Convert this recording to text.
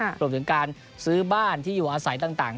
รวมถึงการซื้อบ้านที่อยู่อาศัยต่าง